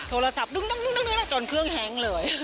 โทรศัพท์ดึงจนเครื่องแฮงเลย